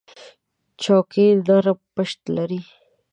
چوکۍ نرم پُشت لري.